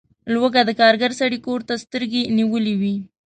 لوږه د کارګر سړي کور ته سترګې نیولي وي.